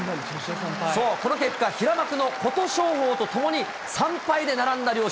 この結果、平幕の琴勝峰とともに３敗で並んだ両者。